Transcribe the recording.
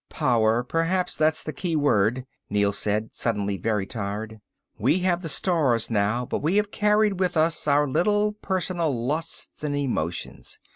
"Power, perhaps that's the key word," Neel said, suddenly very tired. "We have the stars now but we have carried with us our little personal lusts and emotions.